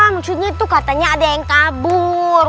maksudnya itu katanya ada yang kabur